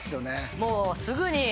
もうすぐに。